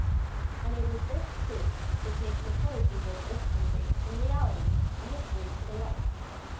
And it is this, too, which makes the colored people of this country, in reality, a mystery to the whites.